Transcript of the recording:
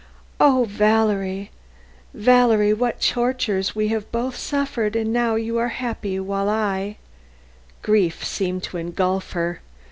Oh, Valerie, Valerie, what tortures we have both suffered! and now you are happy while I " Grief seemed to engulf her.